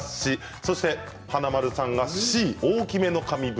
そして華丸さんがＣの大きめの紙袋。